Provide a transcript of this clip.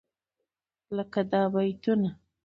لکه دا بيتونه: